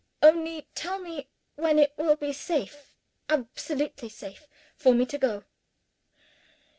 Only tell me, when it will be safe absolutely safe for me to go?"